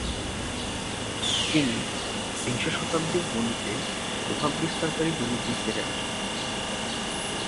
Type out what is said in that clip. তিনি বিংশ শতাব্দীর গণিতে প্রভাব বিস্তারকারী গণিতবিদদের একজন।